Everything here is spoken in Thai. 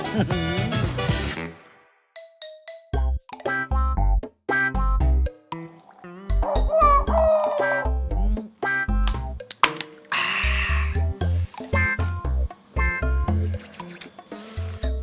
ไปดู